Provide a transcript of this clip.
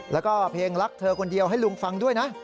แล้วก็เพลงรักเธอคนเดียวให้ลุงฟังด้วยนะ